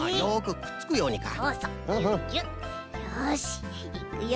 よしいくよ！